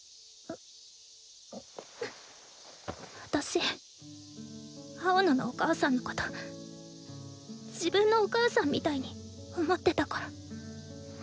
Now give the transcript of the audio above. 私青野のお母さんのこと自分のお母さんみたいに思ってたから。